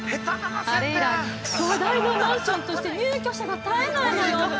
あれ以来、話題のマンションとして入居者が絶えないのよ。